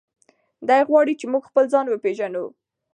دی غواړي چې موږ خپل ځان وپیژنو.